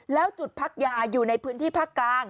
แล้วจุดพักยาอยู่ในพื้นที่ภาคกลาง